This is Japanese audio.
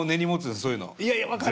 そういうの。